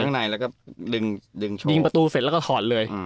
ข้างในแล้วก็ดึงประตูเสร็จแล้วก็ถอดเลย